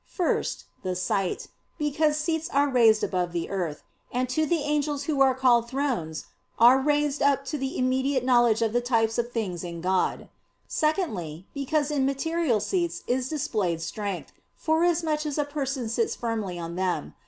First, the site; because seats are raised above the earth, and to the angels who are called "Thrones" are raised up to the immediate knowledge of the types of things in God. Secondly, because in material seats is displayed strength, forasmuch as a person sits firmly on them.